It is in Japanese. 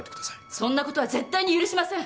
そんな事は絶対に許しません！